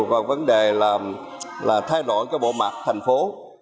và vấn đề là thay đổi cái bộ mặt thành phố